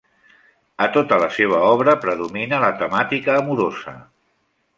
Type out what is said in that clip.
A tota la seva obra predomina la temàtica amorosa.